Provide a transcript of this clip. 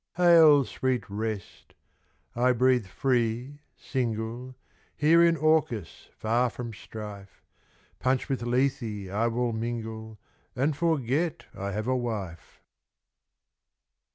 Hail, sweet rest! I breathe free, single, Here in Orcus far from strife, Punch with Lethe I will mingle, And forget I have a wife.